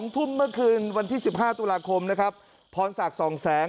ทุ่มเมื่อคืนวันที่๑๕ตุลาคมนะครับพรศักดิ์๒แสง